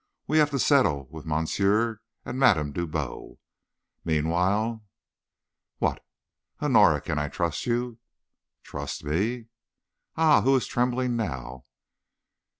We have to settle with Monsieur and Madame Dubois, meanwhile " "What?" "Honora, can I trust you?" "Trust me?" "Ah! who is trembling now?"